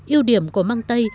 yêu điểm của măng tây